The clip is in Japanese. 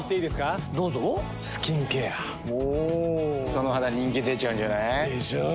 その肌人気出ちゃうんじゃない？でしょう。